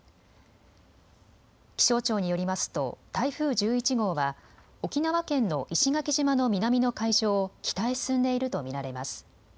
気象庁によりますと台風１１号は沖縄県の石垣島の南の海上を北へ進んでいると見られます。